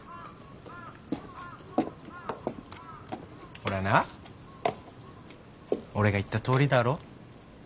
ほらな俺が言ったとおりだろ？